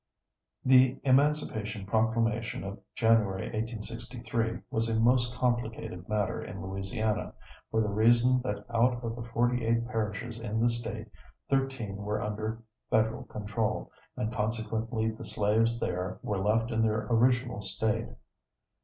The Emancipation Proclamation of January, 1863, was a most complicated matter in Louisiana, for the reason that out of the forty eight parishes in the State, thirteen were under federal control, and consequently the slaves there were left in their original state.